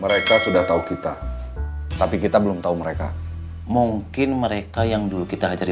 mereka sudah tahu kita tapi kita belum tahu mereka mungkin mereka yang dulu kita ajari